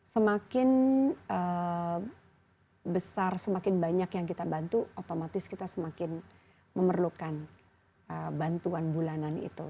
semakin besar semakin banyak yang kita bantu otomatis kita semakin memerlukan bantuan bulanan itu